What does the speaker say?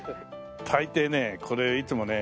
大抵ねこれいつもね